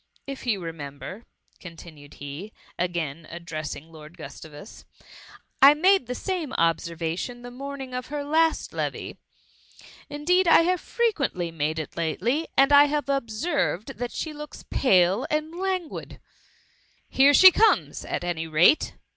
— If you remember, continued he, again addressing Lord Gustavus, ^^ I made the sdme observation the morning of her last levee. Indeed I have frequently made it lately, and I have observed that she looks pale and languid. ^^ Here she comes, at any rate